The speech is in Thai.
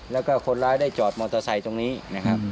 แล้วก็คนร้ายได้จอดมอเตอร์ไซค์ตรงนี้นะครับ